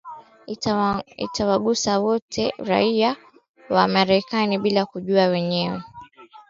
itawagusa raia wote wa marekani bila kujali mwenye anacho